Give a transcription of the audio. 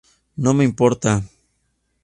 No me importa!".